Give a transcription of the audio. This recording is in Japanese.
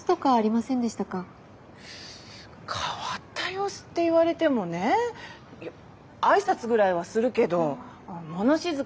変わった様子って言われてもねいや挨拶ぐらいはするけど物静かな人だしねえ。